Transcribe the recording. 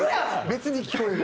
別に聞こえる。